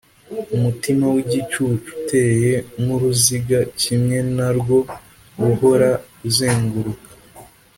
Umutima w’igicucu uteye nk’uruziga, kimwe na rwo uhora uzenguruka.